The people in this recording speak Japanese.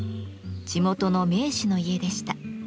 地元の名士の家でした。